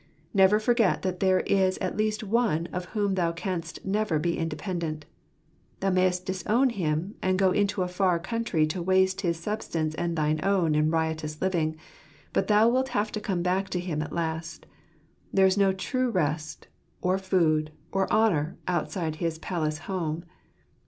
Never forget that there is at least One of whom thou canst never be independent, Thou mayest disown Him, and go into a far country to waste his substance and thine own in riotous living ; but thou wilt have to come back to Him at last. There is no true rest, or food, or honour, outside his palace home.